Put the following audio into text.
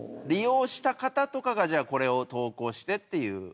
利用した方とかがじゃあこれを投稿してっていう？